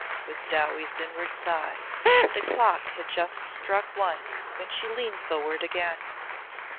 was Dowie's inward sigh. The clock had just struck one when she leaned forward again.